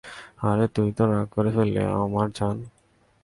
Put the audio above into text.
আরে তুই তো রাগ করে ফেললি, আমার জান?